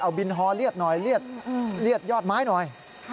เอาบินฮอเลียดหน่อยเลียดยอดไม้หน่อย